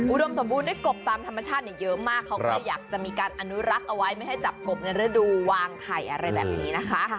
สมบูรณ์ด้วยกบตามธรรมชาติเยอะมากเขาก็เลยอยากจะมีการอนุรักษ์เอาไว้ไม่ให้จับกบในฤดูวางไข่อะไรแบบนี้นะคะ